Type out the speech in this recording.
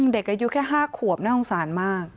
เด็กอายุแค่๕ขวบน่าสงสารมาก